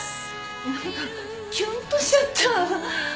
何かきゅんとしちゃった。